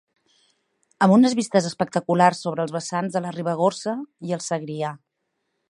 Amb unes vistes espectaculars sobre els vessants de la Ribagorça i el Segrià.